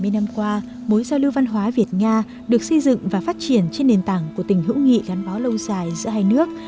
bảy mươi năm qua mối giao lưu văn hóa việt nga được xây dựng và phát triển trên nền tảng của tình hữu nghị gắn bó lâu dài giữa hai nước